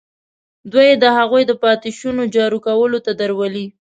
دوی د هغوی د پاتې شونو جارو کولو ته درولي.